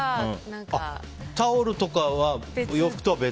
タオルとかは洋服とは別？